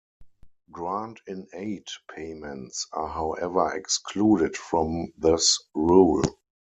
Grant-in-aid payments are however excluded from this rule.